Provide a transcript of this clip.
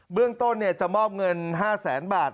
เบื้องต้นเนี่ยจะมอบเงินห้าแสนบาท